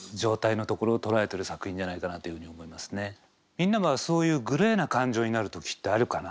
みんなはそういうグレーな感情になる時ってあるかな？